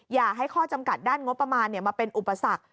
อย่าให้ข้อจำกัดด้านงบประมาณมาเป็นอุปสรรค